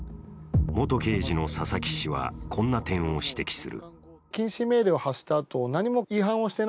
元刑事の佐々木氏はこんな点を指摘する。